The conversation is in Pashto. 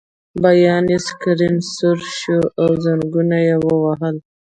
بیا یې سکرین سور شو او زنګونه یې ووهل